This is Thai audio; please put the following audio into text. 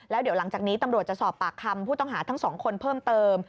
แล้วเดี๋ยวหลังจากนี้ตำรวจจะสอบปากคำผู้ต้องหาทั้งสองคนเพิ่มเติม